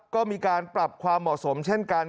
ก็มีการปรับความเหมาะสมเช่นกัน